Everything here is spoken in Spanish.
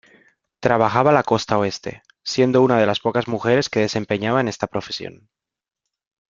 Trabajaba la Costa Oeste, siendo una de las pocas mujeres que desempeñaban esta profesión.